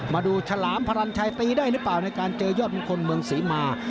ฉลามพรรณชัยตีได้หรือเปล่าในการเจอยอดมงคลเมืองศรีมา